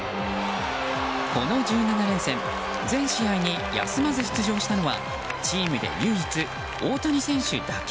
この１７連戦全試合に休まず出場したのはチームで唯一、大谷選手だけ。